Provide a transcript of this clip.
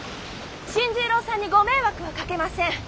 新十郎さんにご迷惑はかけません。